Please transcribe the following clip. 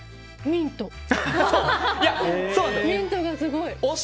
ミントがすごい。